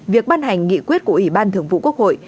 việc ban hành nghị quyết của ủy ban thường vụ quốc hội